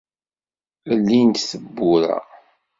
Llint tebbura.